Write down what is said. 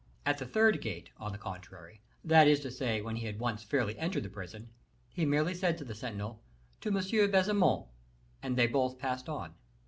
At the third gate, on the contrary, that is to say, when he had once fairly entered the prison, he merely said to the sentinel, "To M. Baisemeaux;" and they both passed on.